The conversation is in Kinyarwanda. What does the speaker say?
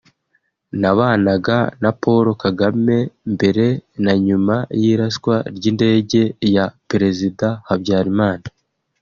« Nabanaga na Paul Kagame mbere na nyuma y’iraswa ry’indege ya perezida Habyarimana